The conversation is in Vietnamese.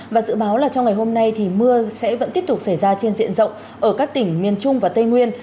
và dự báo là trong ngày hôm nay thì mưa sẽ vẫn tiếp tục xảy ra trên diện rộng ở các tỉnh miền trung và tây nguyên